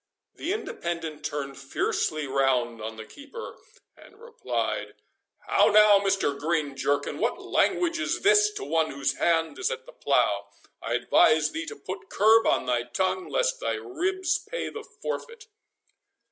The Independent turned fiercely round on the keeper, and replied, "How now, Mr. Green Jerkin? what language is this to one whose hand is at the plough? I advise thee to put curb on thy tongue, lest thy ribs pay the forfeit."